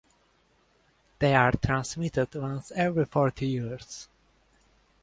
They are transmitted once every forty years.